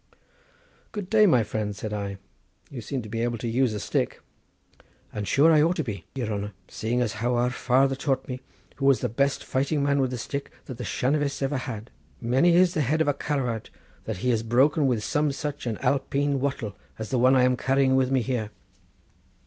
"Good day, my friend," said I; "you seem to be able to use a stick." "And sure I ought to be, your honour, seeing as how my father taught me, who was the best fighting man with a stick that the Shanavests ever had. Many is the head of a Caravaut that he has broken with some such an Alpeen wattle as the one I am carrying with me here."